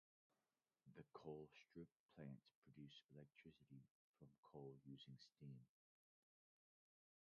The Colstrip plants produce electricity from coal using steam.